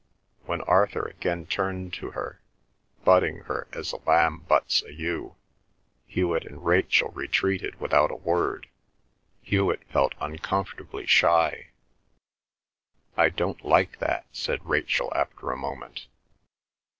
When Arthur again turned to her, butting her as a lamb butts a ewe, Hewet and Rachel retreated without a word. Hewet felt uncomfortably shy. "I don't like that," said Rachel after a moment.